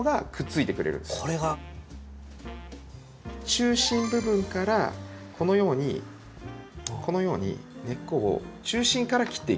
中心部分からこのようにこのように根っこを中心から切っていくんですね。